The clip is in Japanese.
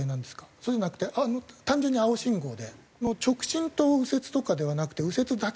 そうじゃなくて単純に青信号で直進と右折とかではなくて右折だけ出ていますか？